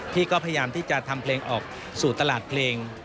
พี่ก็พยายามที่จะทำเพลงออกสู่ตลาดเพลง